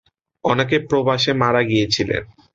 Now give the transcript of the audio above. অনেকে প্রবাসে মারা গিয়েছিলেন।